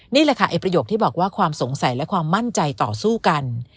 นี่แหละค่ะไอ้ประโยคที่บอกว่าความสงสัยและความมั่นใจต่อสู้กัน